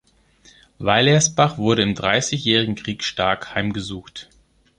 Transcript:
Weilersbach wurde im Dreißigjährigen Krieg stark heimgesucht.